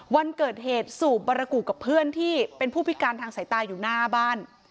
วันเกิดเหตุสูบบารกุกับเพื่อนที่เป็นผู้พิการทางสายตาอยู่หน้าบ้าน